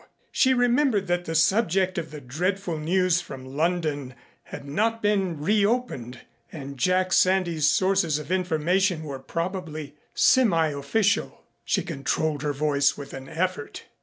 She remembered that the subject of the dreadful news from London had not been reopened and Jack Sandys' sources of information were probably semiofficial. She controlled her voice with an effort.